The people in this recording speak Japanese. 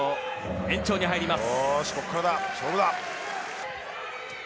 延長に入ります。